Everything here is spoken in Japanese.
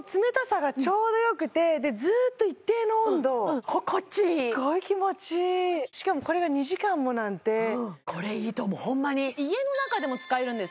ホントずっと一定の温度心地いいすっごい気持ちいいしかもこれが２時間もなんてこれいいと思うホンマに家の中でも使えるんです